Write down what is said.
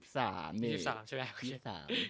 ๒๓ใช่ไหม